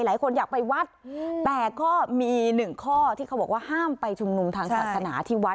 หลายคนอยากไปวัดแต่ก็มีหนึ่งข้อที่เขาบอกว่าห้ามไปชุมนุมทางศาสนาที่วัด